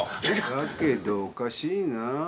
だけどおかしいなぁ。